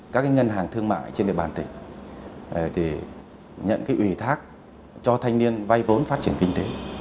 các ngân hàng thương mại trên địa bàn tỉnh để nhận ủy thác cho thanh niên vay vốn phát triển kinh tế